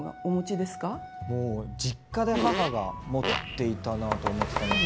もう実家で母が持っていたなと思ってたんですけど